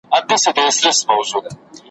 لکه شمع غوندي بل وي د دښمن پر زړه اور بل وي `